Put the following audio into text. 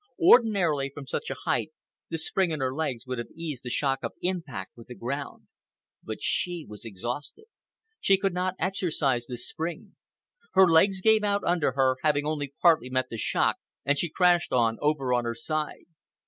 Ordinarily, from such a height, the spring in her legs would have eased the shock of impact with the ground. But she was exhausted. She could not exercise this spring. Her legs gave under her, having only partly met the shock, and she crashed on over on her side.